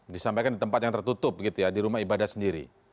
disampaikan di tempat yang tertutup gitu ya di rumah ibadah sendiri